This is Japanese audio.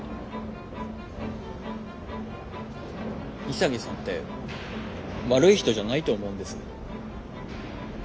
潔さんって悪い人じゃないと思うんです。